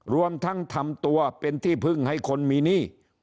รวมทั้งทำตัวเป็นที่พึ่งให้คนมีหนี้